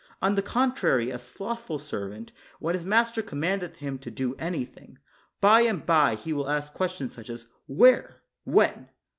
On the contrary, a slothful servant, when his master commandeth him to do anything, by and by he will ask ques tions—such as, " Where?" "When?"